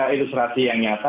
ilustrasi yang nyata